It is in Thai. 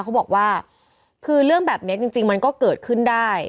เขาบอกว่าคือเรื่องแบบนี้จริงมันก็เกิดขึ้นได้